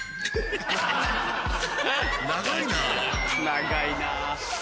長いなぁ。